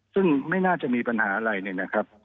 ซึ่งไม่น่าจะมีปัญหาอะไรเนี่ยนะครับ